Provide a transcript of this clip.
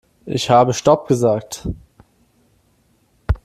Ich habe stopp gesagt.